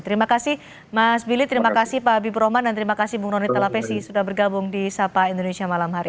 terima kasih mas billy terima kasih pak habibur rahman dan terima kasih bung roni talapesi sudah bergabung di sapa indonesia malam hari ini